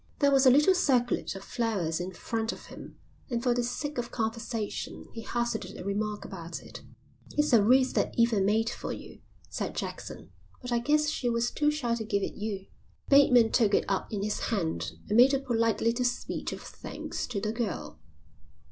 There was a little circlet of flowers in front of him, and for the sake of conversation he hazarded a remark about it. "It's a wreath that Eva made for you," said Jackson, "but I guess she was too shy to give it you." Bateman took it up in his hand and made a polite little speech of thanks to the girl.